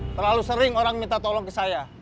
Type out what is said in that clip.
terlalu sering orang minta tolong ke saya